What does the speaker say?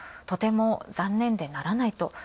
とても残念でならないと。